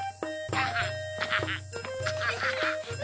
アハハハ！